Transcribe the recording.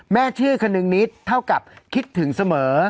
แม่ชื่อคนนึงนิดเท่ากับคิดถึงเสมอ